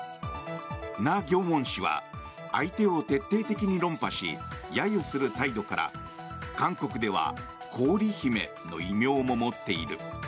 ナ・ギョンウォン氏は相手を徹底的に論破し揶揄する態度から、韓国では氷姫の異名も持っている。